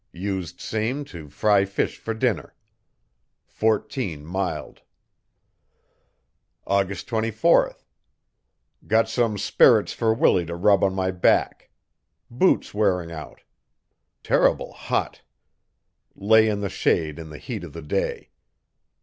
Used same to fry fish for dinner. 14 mild. AUGUST 24 Got some spirits for Willie to rub on my back. Boots wearing out. Terrible hot. Lay in the shade in the heat of the day.